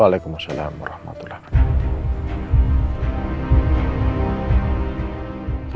waalaikumsalam warahmatullahi wabarakatuh